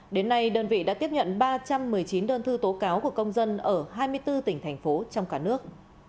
đến nay đơn vị đã tiếp nhận ba trăm một mươi chín đơn thư tố cáo của công dân ở hai mươi bốn tỉnh thành phố trong cả nước